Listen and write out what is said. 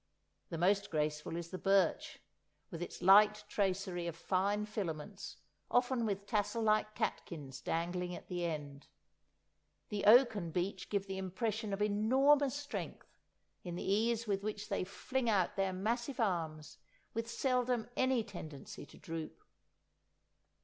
The most graceful is the birch, with its light tracery of fine filaments, often with tassel like catkins dangling at the end. The oak and beech give the impression of enormous strength in the ease with which they fling outright their massive arms with seldom any tendency to droop.